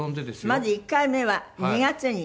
まず１回目は２月に。